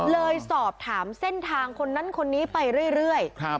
สอบถามเส้นทางคนนั้นคนนี้ไปเรื่อย